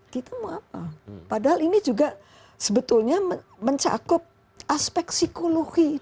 kita mau apa padahal ini juga sebetulnya mencakup aspek psikologi